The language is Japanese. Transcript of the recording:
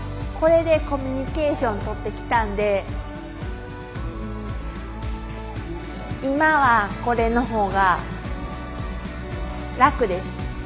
これでコミュニケーションとってきたんで今はこれの方が楽です。